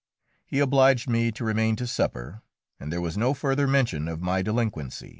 He obliged me to remain to supper, and there was no further mention of my delinquency.